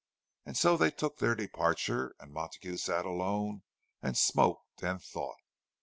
And so they took their departure; and Montague sat alone and smoked and thought.